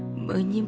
terima kasih gentile